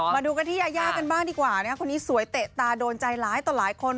มาดูกันที่ยายากันบ้างดีกว่านะครับคนนี้สวยเตะตาโดนใจหลายต่อหลายคน